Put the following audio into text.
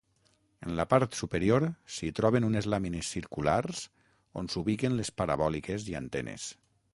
En la part superior s'hi troben unes làmines circulars on s'ubiquen les parabòliques i antenes.